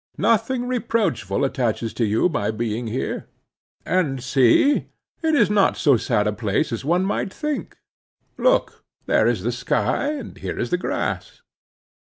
Nothing reproachful attaches to you by being here. And see, it is not so sad a place as one might think. Look, there is the sky, and here is the grass."